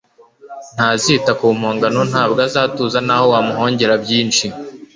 Ntazita ku mpongano Ntabwo azatuza naho wamuhongera byinshi